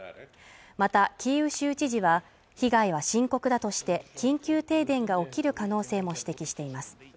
またキーウ州知事は被害は深刻だとして緊急停電が起きる可能性も指摘しています